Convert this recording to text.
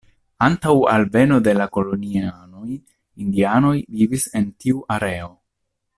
Antaŭ alveno de la kolonianoj indianoj vivis en tiu areo.